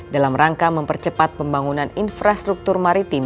dalam rangka mempercepat pembangunan infrastruktur maritim